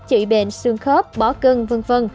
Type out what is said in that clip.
trị bệnh xương khớp bỏ cưng v v